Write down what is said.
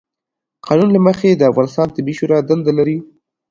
قانون له مخې، د افغانستان طبي شورا دنده لري،